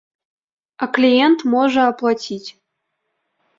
А кліент можа аплаціць.